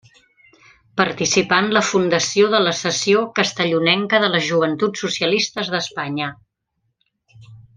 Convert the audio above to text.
Participà en la fundació de la secció castellonenca de les Joventuts Socialistes d'Espanya.